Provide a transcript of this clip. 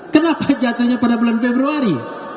kenapa jatuhnya pada bulan februari